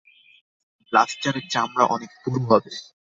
ব্লাস্টারের চামড়া অনেক পুরু হবে।